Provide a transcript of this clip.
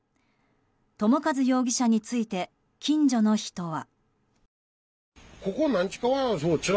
友和容疑者について近所の人は。